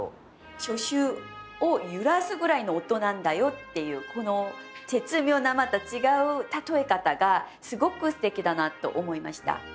初秋を揺らすぐらいの音なんだよっていうこの絶妙なまた違う例え方がすごくすてきだなと思いました。